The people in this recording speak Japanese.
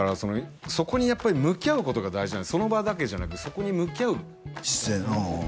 そこにやっぱり向き合うことが大事その場だけじゃなくそこに向き合う姿勢